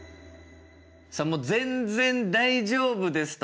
さあもう全然大丈夫ですと。